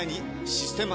「システマ」